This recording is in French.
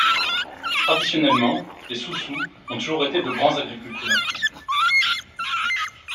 Traditionnellement les Soussous ont toujours été de grands agriculteurs.